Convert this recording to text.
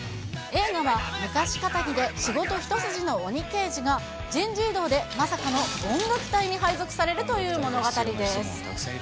映画は、昔かたぎで仕事一筋の鬼刑事が、人事異動でまさかの音楽隊に配属されるという物語です。